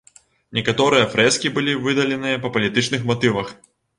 Некаторыя фрэскі былі выдаленыя па палітычных матывах.